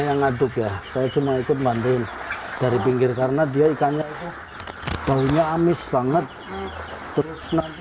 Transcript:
mengaduk ya saya cuma ikut manduin dari pinggir karena dia ikannya baunya amis banget terus nanti